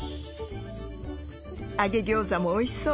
揚げギョーザもおいしそう。